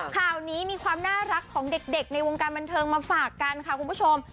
ข่าวนี้มีความน่ารักของเด็กในวงการบันเทิงมาฝากกันค่ะคุณผู้ชม